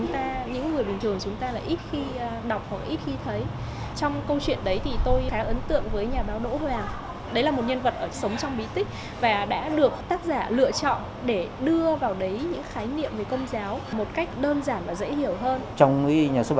thì nó không thực sự